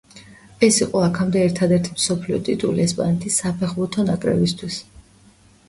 ეს იყო აქამდე ერთადერთი მსოფლიო ტიტული ესპანეთის საფეხბურთო ნაკრებისთვის.